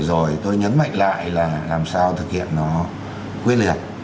rồi tôi nhấn mạnh lại là làm sao thực hiện nó quyết liệt